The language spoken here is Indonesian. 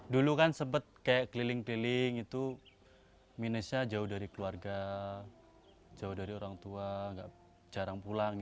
dulu kan sempat kayak keliling keliling itu minusnya jauh dari keluarga jauh dari orang tua jarang pulang